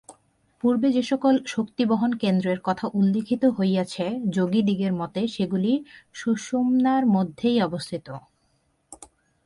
পূর্বে যে-সকল শক্তিবহনকেন্দ্রের কথা উল্লিখিত হইয়াছে, যোগীদিগের মতে সেগুলি সুষুম্নার মধ্যেই অবস্থিত।